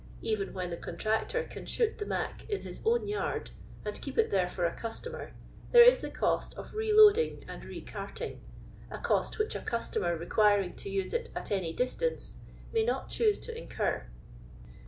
Even when the con tractor can shoot the "mac" in his own yard, and keep it there fur a eostomei; there is the cost of re loading and re carting; a cost which a customer requiring to use it at anj distance may not choose to incur.